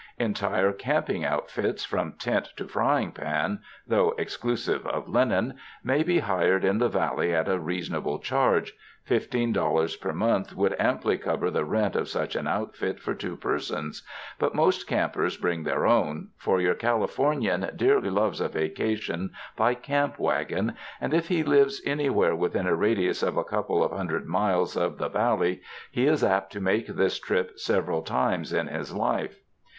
Entire camping outfits from tent to frying pan (though exclusive of linen) may be hired in the valley at a reasonable charge — fifteen dollars per month would amply cover the rent of such an outfit for two persons ; but most campers bring their own, for your Californian dearly loves a vacation by camp wagon, and if he lives anywhere within a radius of a couple of hundred miles of "the Valley," he is apt to make this trip several times in his life.